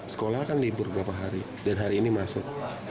sekolah kan libur berapa hari dan hari ini masuk